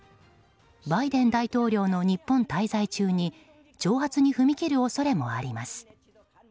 バイデン大統領の日本滞在中に挑発に踏み切る恐れもあります。